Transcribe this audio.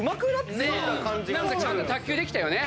ちゃんと卓球できたよね。